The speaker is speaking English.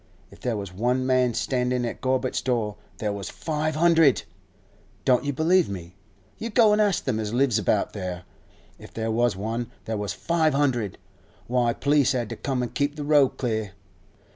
If there was one man standin' at Gorbutt's door, there was five hundred! Don't you believe me? You go an' ask them as lives about there. If there was one, there was five hundred! Why, the p'lice had to come an' keep the road clear.